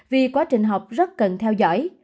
vì quá trình học rất cần theo dõi